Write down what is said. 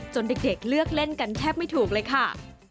เด็กเลือกเล่นกันแทบไม่ถูกเลยค่ะ